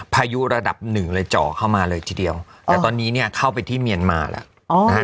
พายุระดับหนึ่งเลยเจาะเข้ามาเลยทีเดียวแต่ตอนนี้เนี่ยเข้าไปที่เมียนมาแล้วนะฮะ